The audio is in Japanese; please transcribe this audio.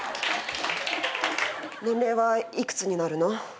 年齢は幾つになるの？